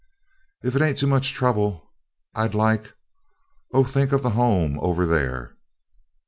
"If it ain't too much trouble, I'd like, 'Oh, Think of the Home Over There.'"